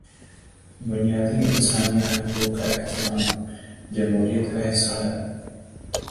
بنیادی انسانی حقوق کا احترام جمہوریت کا حصہ ہے۔